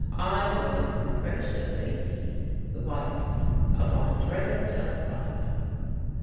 "I was Lucrezia Fedi, the wife of Andrea del Sarto."